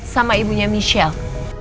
sama ibunya michelle